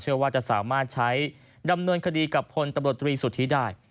เชื่อว่าจะสามารถใช้ดำเนินคดีกับพลตำรวจตรีสุทธิได้